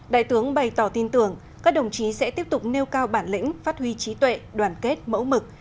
đại tướng bày tỏ tin tưởng các đồng chí sẽ tiếp tục nêu cao bản lĩnh phát huy trí tuệ đoàn kết mẫu mực